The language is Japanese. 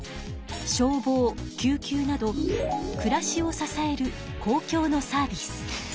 消防救急などくらしを支える公共のサービス。